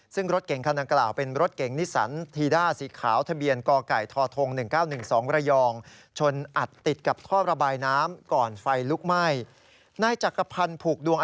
ซึ่งรถเก่งคณะกล่าวเป็นรถเก่งนิสันธีด้าสีขาวทะเบียนกไก่ทธง๑๙๑๒ระยอง